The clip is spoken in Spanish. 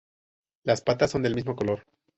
Las patas son del mismo color.